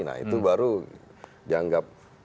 nah itu baru dianggap